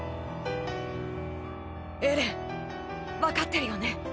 エレンわかってるよね？